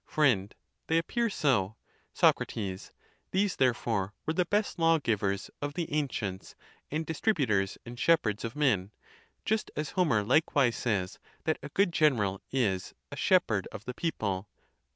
Fr, They appear so. Soc. These therefore were the best lawgivers of the an cients, and distributors and shepherds of men; just as Homer likewise says, that a good general is "a shepherd of the people."